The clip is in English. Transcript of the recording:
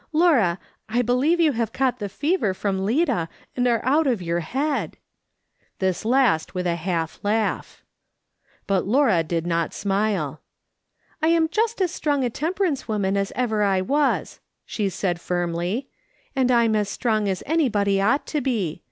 Laura, I believe you caught the fever from Lida, and are out of your head !" This last v^^ith a half laugh, Ihit Laura did not smile. " I am just as strong a temperance woman as ever I was," she said firmly, " and I'm as strong as any body ought to be.